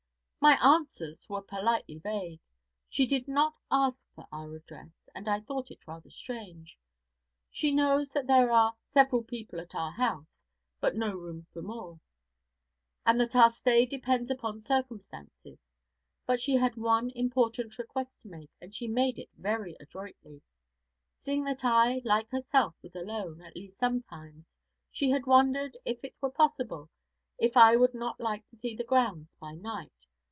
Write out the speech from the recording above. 'My answers were politely vague. She did not ask for our address, and I thought it rather strange. She knows that there are "several people at our house, but no room for more," and that our stay depends upon circumstances; but she had one important request to make, and she made it very adroitly. Seeing that I, like herself, was alone, at least sometimes, she had wondered, if it were possible, if I would not like to see the grounds by night.